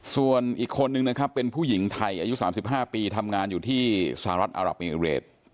ส่วนอีกคนนึงนะครับเป็นผู้หญิงไทยอายุ๓๕ปีทำงานอยู่ที่สหรัฐอารับเอมิเรต